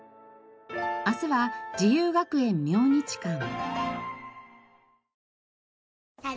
明日は自由学園明日館。